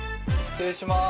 失礼します。